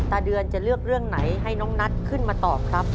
เดือนจะเลือกเรื่องไหนให้น้องนัทขึ้นมาตอบครับ